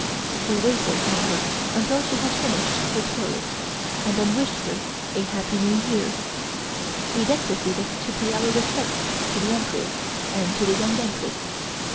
We waited on her until she had finished her toilet and then wished her a Happy New Year. We then proceeded to pay our respects to the Emperor and to the Young Empress.